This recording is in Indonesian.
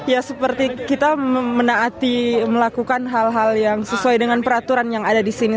ya seperti kita menaati melakukan hal hal yang sesuai dengan peraturan yang ada di sini